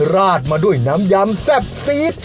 ราดมาด้วยน้ำยำแซ่บซีด